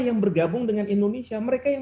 yang bergabung dengan indonesia mereka yang